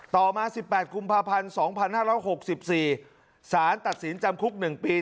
ต่อมา๑๘กุมภาพันธ์๒๕๖๔สารตัดสินจำคุก๑ปี